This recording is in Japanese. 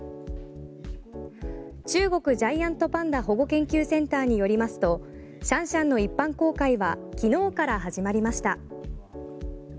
中国ジャイアントパンダ保護研究センターによりますとシャンシャンの一般公開は昨日から始まりました。